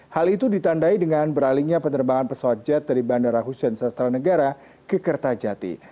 hal itu ditandai dengan beralihnya penerbangan pesawat jet dari bandara hussein sastra negara ke kertajati